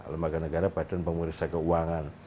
lembaga negara badan pengurusan keuangan